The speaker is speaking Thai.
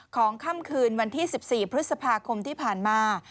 ค่ำคืนวันที่๑๔พฤษภาคมที่ผ่านมา